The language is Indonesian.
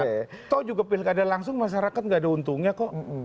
atau juga pilkada langsung masyarakat nggak ada untungnya kok